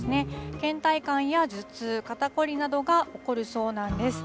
けん怠感や頭痛、肩凝りなどが起こるそうなんです。